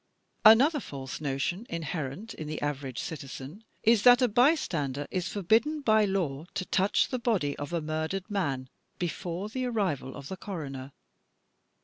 Another false notion inherent in the average citizen is, that a bystander is forbidden by law to touch the body of a mur dered man before the arrival of the coroner.